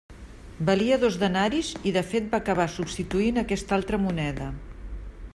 Valia dos denaris i de fet va acabar substituint aquesta altra moneda.